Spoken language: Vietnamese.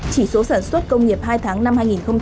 chỉ số sản xuất công nghiệp hai tháng năm hai nghìn hai mươi